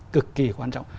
cực kỳ quan trọng